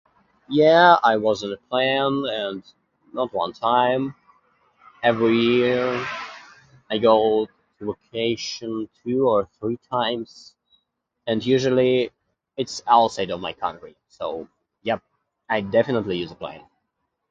Yeah, I was in a plane, and not one time. Every year I go to vacation two or three times. And usually it's outside of my country. So, yep, I definitely use a plane.